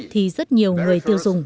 thì rất nhiều người tiêu dùng